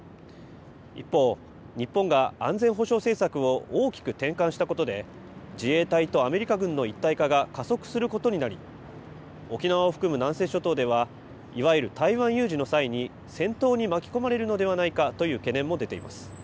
一方、日本が安全保障政策を大きく転換したことで、自衛隊とアメリカ軍の一体化が加速することになり、沖縄を含む南西諸島では、いわゆる台湾有事の際に、戦闘に巻き込まれるのではないかという懸念も出ています。